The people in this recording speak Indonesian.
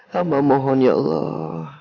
hamba mohon ya allah